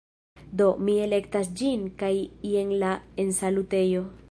Do, mi elektas ĝin kaj jen la ensalutejo